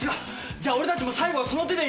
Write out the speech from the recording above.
じゃあ俺たちも最後はその手で行こう。